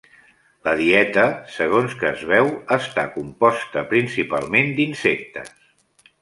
La dieta, segons que es veu, està composta principalment d'insectes.